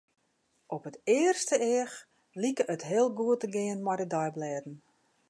Op it earste each liket it heel goed te gean mei de deiblêden.